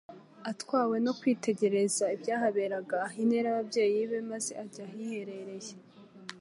Atwawe no kwitegereza ibyahaberaga, aha intera ababyeyi be maze ajya ahiherereye.